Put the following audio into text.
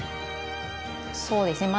そうですね